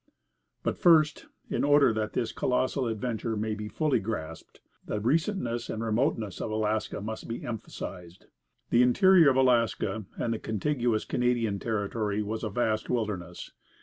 But first, in order that this colossal adventure may be fully grasped, the recentness and the remoteness of Alaska must be emphasized. The interior of Alaska and the contiguous Canadian territory was a vast wilderness.